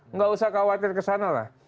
nggak usah khawatir kesana lah